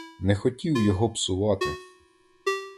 Не хотів його псувати.